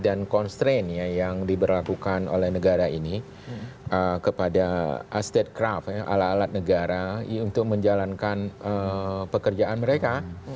dan constraint yang diberlakukan oleh negara ini kepada estate craft alat alat negara untuk menjalankan pekerjaan mereka